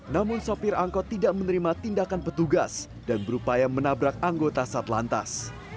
namun sopir angkot tidak menerima tindakan petugas dan berupaya menabrak anggota satlantas